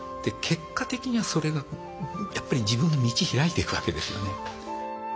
結果的にはそれがやっぱり自分の道開いていくわけですよね。